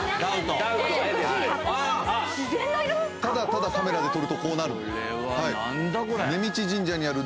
ただただカメラで撮るとこうなる。